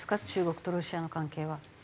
中国とロシアの関係は。